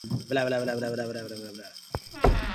ہم کل ایک نئے شہر جائیں گے۔